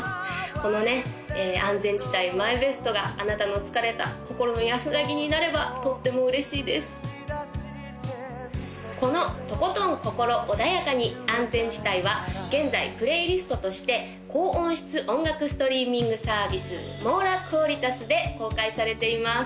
このね安全地帯ＭＹＢＥＳＴがあなたの疲れた心の安らぎになればとっても嬉しいですこのトコトン心穏やかに安全地帯は現在プレイリストとして高音質音楽ストリーミングサービスｍｏｒａｑｕａｌｉｔａｓで公開されています